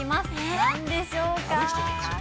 なんでしょうか？